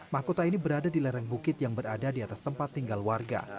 mahkota ini berada di lereng bukit yang berada di atas tempat tinggal warga